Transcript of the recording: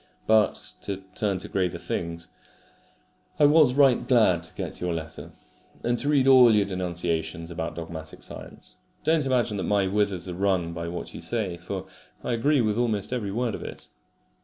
But, to turn to graver things: I was right glad to get your letter, and to read all your denunciations about dogmatic science. Don't imagine that my withers are wrung by what you say, for I agree with almost every word of it.